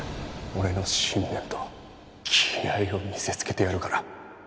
俺の信念と気合を見せつけてやるから。